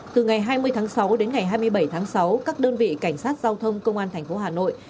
từ ngày hai mươi tháng sáu đến ngày hai mươi bảy tháng sáu các đơn vị cảnh sát giao thông công an thành phố hà nội